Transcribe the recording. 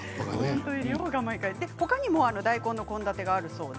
他にも大根の献立があるそうです。